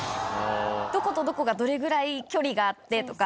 どことどこがどれぐらい距離があってとか。